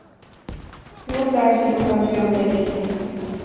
Nunca ha sido campeón de liga.